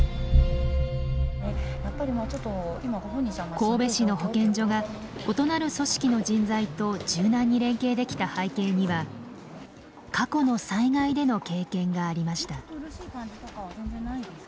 神戸市の保健所が異なる組織の人材と柔軟に連携できた背景には過去の災害での経験がありました。